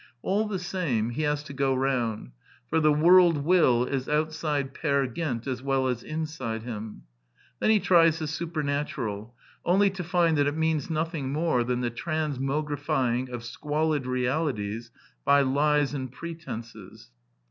All the same, he has to go round; for the world will is outside Peer Gynt as well as inside him. Then he tries the supernatural, only to find that it means nothing more than the transmogri fying of squalid realities by lies and pretences.